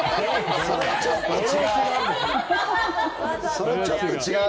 それ、ちょっと違う。